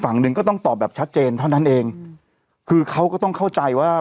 ฝั่งหนึ่งก็ต้องตอบแบบชัดเจนเท่านั้นเองคือเขาก็ต้องเข้าใจว่า